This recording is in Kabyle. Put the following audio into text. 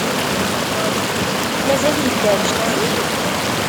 Mazal yedder jeddi-k?